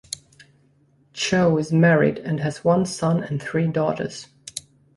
Cho is married and has one son and three daughters.